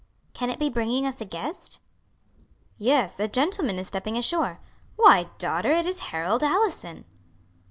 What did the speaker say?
Can it be bringing us a guest?" "Yes, a gentleman is stepping ashore. Why, daughter, it is Harold Allison."